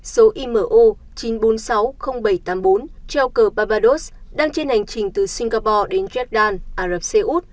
số imo chín trăm bốn mươi sáu bảy trăm tám mươi bốn treo cờ pados đang trên hành trình từ singapore đến jordan ả rập xê út